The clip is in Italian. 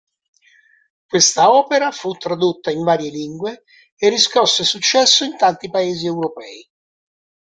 Questa opera fu tradotta in varie lingue e riscosse successo in tanti Paesi europei.